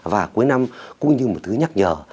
và cuối năm cũng như một thứ nhắc nhở